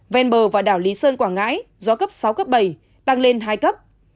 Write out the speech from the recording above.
vèn bờ và đảo lý sơn quảng ngãi gió cấp sáu bảy tăng lên hai cấp